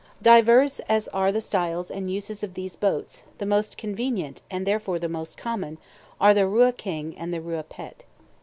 Diverse as are the styles and uses of these boats, the most convenient, and therefore the most common, are the Rua keng and the Rua pêt.